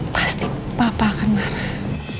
pasti papa akan marah